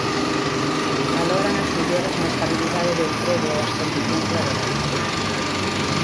Valoran as melloras na estabilidade do emprego e as condicións laborais.